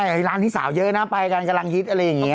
ร้านพี่สาวเยอะนะไปกันกำลังฮิตอะไรอย่างนี้